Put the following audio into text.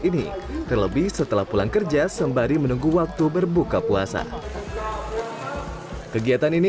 ini terlebih setelah pulang kerja sembari menunggu waktu berbuka puasa kegiatan ini